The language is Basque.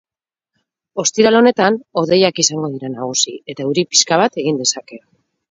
Ostiral honetan hodeiak izango dira nagusi, eta euri pixka bat egin dezake.